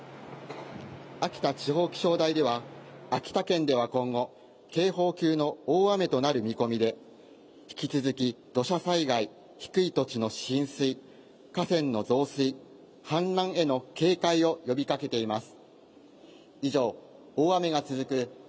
秋田地方気象台では、秋田県では今後警報級の大雨となる見込みで引き続き土砂災害、低い土地の浸水、河川の増水、氾濫への警戒を呼びかけています。